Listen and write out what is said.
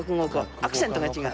アクセントが違う。